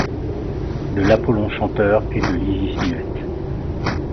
De l'Apollon chanteur et de l'Isis muette.